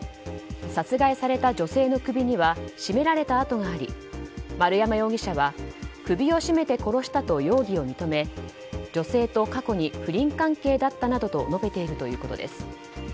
殺害された女性の首には絞められた跡があり丸山容疑者は首を絞めて殺したと容疑を認め女性と過去に不倫関係だったなどと述べているということです。